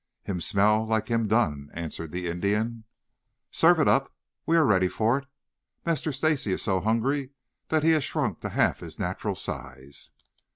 "Him smell like him done," answered the Indian. "Serve it up. We are ready for it. Master Stacy is so hungry that he has shrunk to half his natural size."